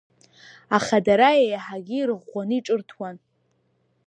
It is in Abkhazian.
Аха дара еиҳагьы ирыӷәӷәаны ҿырҭуан…